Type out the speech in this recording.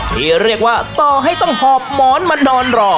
ที่เรียกว่าต่อให้ต้องหอบหมอนมานอนรอ